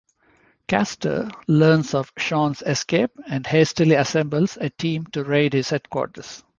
Castor learns of Sean's escape and hastily assembles a team to raid his headquarters.